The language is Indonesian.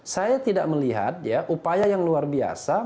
saya tidak melihat ya upaya yang luar biasa